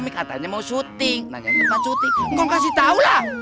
bintang film katanya mau syuting nah yang depan syuting kau kasih tau lah